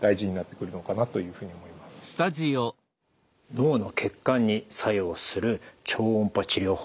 脳の血管に作用する超音波治療法。